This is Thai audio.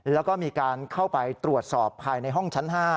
แล้วก็มีการเข้าไปตรวจสอบภายในห้องชั้น๕